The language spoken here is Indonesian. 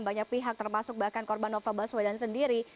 banyak pihak termasuk bahkan korban novel baswedan sendiri